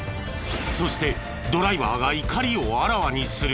そしてドライバーが怒りをあらわにする。